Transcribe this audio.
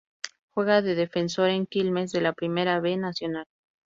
Juega de defensor en Quilmes, de la Primera B Nacional.